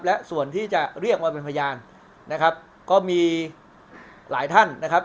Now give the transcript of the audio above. และส่วนที่จะเรียกมาเป็นพยานนะครับก็มีหลายท่านนะครับ